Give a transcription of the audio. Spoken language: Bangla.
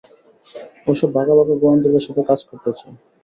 ও সব বাঘা বাঘা গোয়েন্দাদের সাথে কাজ করতে চায়।